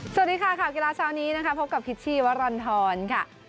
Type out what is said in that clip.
สวัสดีค่ะข่าวกีฬาเช้านี้นะคะพบกับพิชชีวรรณฑรค่ะ